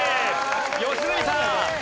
良純さん。